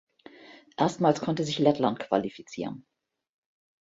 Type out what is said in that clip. Erstmals konnte sich Lettland qualifizieren.